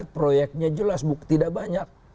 proyeknya jelas tidak banyak